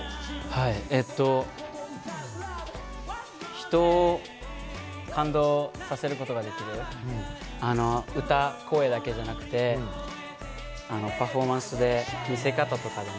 人を感動させることができる歌、声だけじゃなくて、パフォーマンスで、みせ方とかでも、